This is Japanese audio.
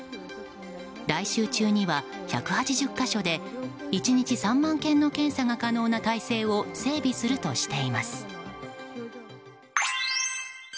来週中には１８０か所で１日３万件の検査が可能な体制を整備するとしています。